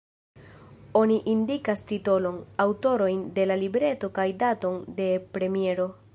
Oni indikas titolon, aŭtorojn de la libreto kaj daton de premiero.